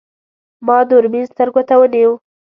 ما دوربین سترګو ته ونیو.